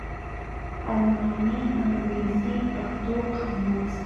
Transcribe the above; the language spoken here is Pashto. الماني _انګرېزي_ پښتو قاموس